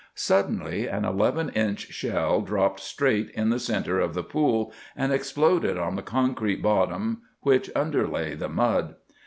Suddenly an eleven inch shell dropped straight in the centre of the pool and exploded on the concrete bottom which underlay the mud.